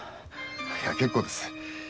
いや結構です。